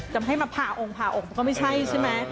จะให้มาผ่าองค์ผ่าอกมันก็ไม่ใช่ใช่ไหม